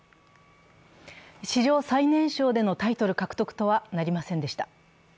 史上最年少でのタイトル獲得とはなりませんでした。